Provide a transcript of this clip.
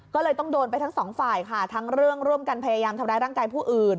ก็เลยต้องโดนไปทั้งสองฝ่ายค่ะทั้งเรื่องร่วมกันพยายามทำร้ายร่างกายผู้อื่น